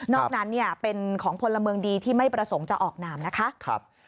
นั้นเป็นของพลเมืองดีที่ไม่ประสงค์จะออกนามนะคะ